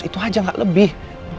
itu aja gak lebih